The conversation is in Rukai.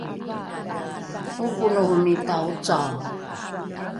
’oponohomita ocao